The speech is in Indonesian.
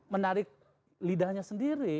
menarik lidahnya sendiri